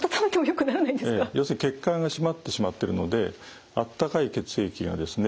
要するに血管が締まってしまっているのであったかい血液がですね